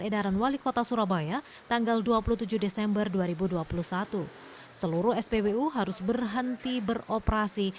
edaran wali kota surabaya tanggal dua puluh tujuh desember dua ribu dua puluh satu seluruh spbu harus berhenti beroperasi